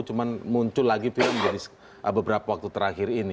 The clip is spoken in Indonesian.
cuma muncul lagi film jadi beberapa waktu terakhir ini